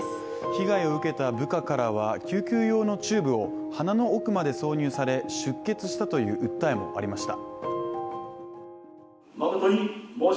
被害を受けた部下からは救急用のチューブを鼻の奥まで挿入され出血したという訴えもありました。